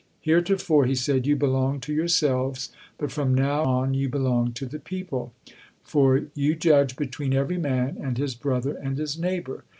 "Heretofore," he said, "you belonged to yourselves, but from now you belong to the people; for you judge between every man, and his brother and his neighbor.